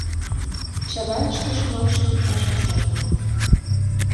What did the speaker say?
Чавайн шке шомакшым ыш кошарте.